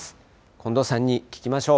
近藤さんに聞きましょう。